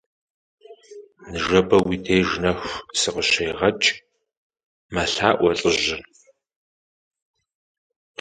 Ныжэбэ уи деж нэху сыкъыщегъэкӀ, - мэлъаӀуэ лӀыжьыр.